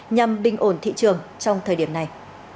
nhằm bình ổn thị trường trong thời điểm này